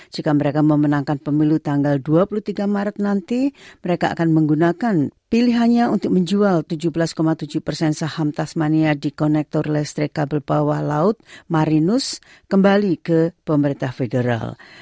jika mereka memenangkan pemilu tanggal dua puluh tiga maret nanti mereka akan menggunakan pilihannya untuk menjual tujuh belas tujuh persen saham tasmania di konektor listrik kabel bawah laut marinus kembali ke pemerintah federal